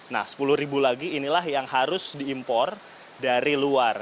nah sepuluh ribu lagi inilah yang harus diimpor dari luar